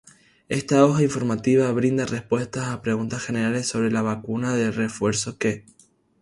Esta hoja informativa brinda respuestas a preguntas generales sobre la vacuna de refuerzo que